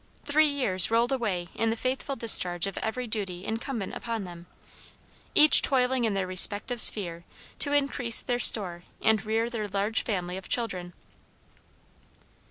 Three years rolled away in the faithful discharge of every duty incumbent upon them, each toiling in their respective sphere to increase their store and rear their large family of children.